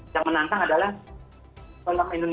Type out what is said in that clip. yang menantang adalah